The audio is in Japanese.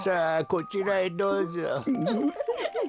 こちらへどうぞ。